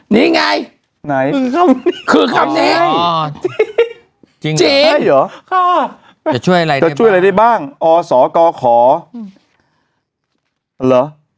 นี่ไงคือคำนี้จริงใช่หรอจะช่วยอะไรได้บ้างอสกขหรือ